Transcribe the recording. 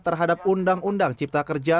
terhadap undang undang cipta kerja